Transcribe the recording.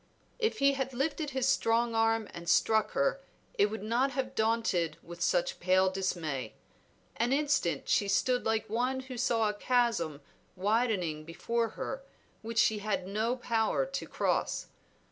If he had lifted his strong arm and struck her, it would not have daunted with such pale dismay. An instant she stood like one who saw a chasm widening before her, which she had no power to cross.